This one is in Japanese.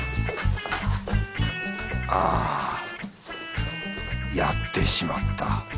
ああやってしまった。